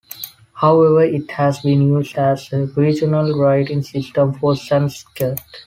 However, it has been used as a regional writing-system for Sanskrit.